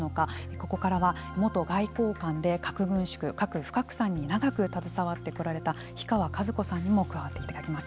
ここからは元外交官で核軍縮・核不拡散に長く携わってこられた樋川和子さんにも加わっていただきます。